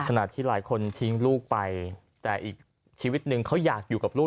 หลายคนทิ้งลูกไปแต่อีกชีวิตหนึ่งเขาอยากอยู่กับลูก